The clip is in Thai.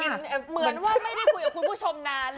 เหมือนว่าไม่ได้คุยกับคุณผู้ชมนาน